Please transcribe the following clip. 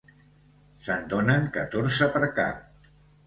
Se'n donen catorze per cap.